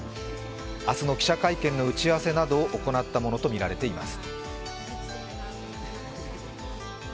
明日の記者会見の打ち合わせなどを行ったものとみられます。